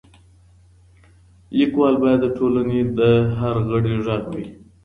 ليکوال بايد د ټولني د هر غړي غږ وي.